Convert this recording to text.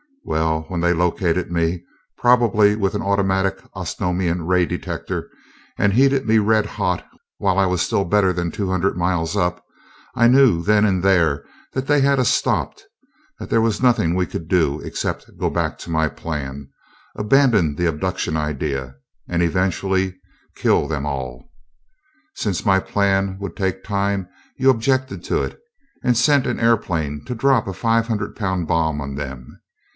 Well, when they located me probably with an automatic Osnomian ray detector and heated me red hot while I was still better than two hundred miles up, I knew then and there that they had us stopped; that there was nothing we could do except go back to my plan, abandon the abduction idea, and eventually kill them all. Since my plan would take time, you objected to it, and sent an airplane to drop a five hundred pound bomb on them.